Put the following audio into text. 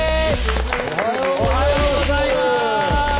おはようございます。